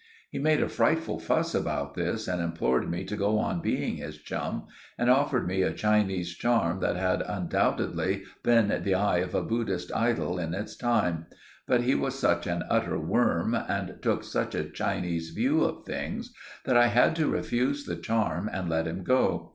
He made a frightful fuss about this, and implored me to go on being his chum, and offered me a Chinese charm that had undoubtedly been the eye of a Buddhist idol in its time; but he was such an utter worm, and took such a Chinese view of things, that I had to refuse the charm and let him go.